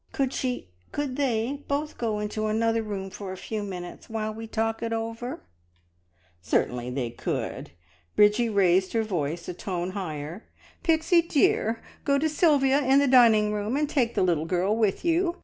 Could she could they both go into another room for a few minutes, while we talk it over together?" "Certainly they could!" Bridgie raised her voice a tone higher. "Pixie dear, go to Sylvia in the dining room and take the little girl with you.